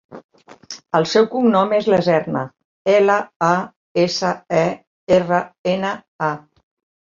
El seu cognom és Laserna: ela, a, essa, e, erra, ena, a.